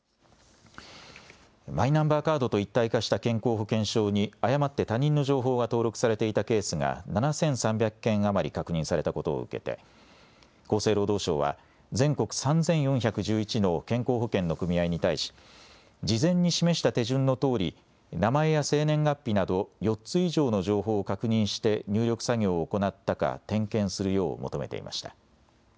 マイナンバーカードと一体化した健康保険証に誤って他人の情報が登録されていたケースが７３００件余り確認されたことを受けて、厚生労働省は、全国３４１１の健康保険の組合に対し、事前に示した手順のとおり、名前や生年月日など、４つ以上の情報を確認して入力作業を行ったか点検するよう求めていました。